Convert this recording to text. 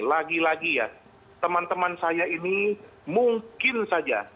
lagi lagi ya teman teman saya ini mungkin saja